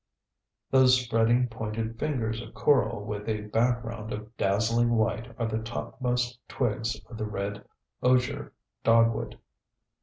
Those spreading, pointed fingers of coral with a background of dazzling white are the topmost twigs of the red osier dogwood.